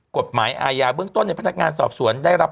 กฎหมายอาญาเบื้องต้นในพนักงานสอบสวนได้รับ